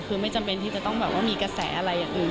คือไม่จำเป็นที่จะต้องแบบว่ามีกระแสอะไรอย่างอื่น